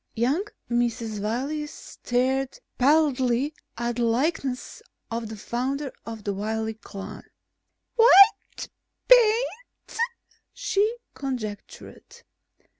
Young Mrs. Wiley stared pallidly at the likeness of the founder of the Wiley clan. "White paint," she conjectured.